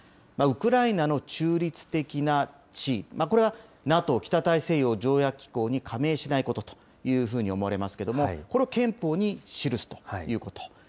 ウクライナの中立的な地位、これはＮＡＴＯ・北大西洋条約機構に加盟しないことというふうに思われますけれども、これを憲法に記すということ。